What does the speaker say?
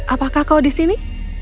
apakah kau di sini